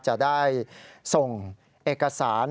จะได้ส่งเอกสาร